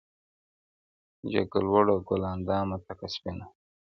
جګه لوړه ګل اندامه تکه سپینه-